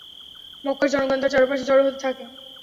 মক্কার জনগণ তার চারপাশে জড়ো হতে থাকে।